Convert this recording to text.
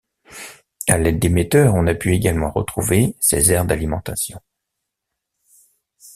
À l'aide d'émetteurs on a pu également retrouver ses aires d'alimentation.